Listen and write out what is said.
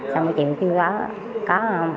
xong rồi chị kêu có có không